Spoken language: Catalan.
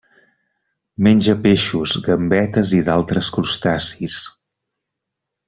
Menja peixos, gambetes i d'altres crustacis.